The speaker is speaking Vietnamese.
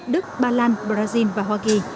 đức ba lan brazil và hoa kỳ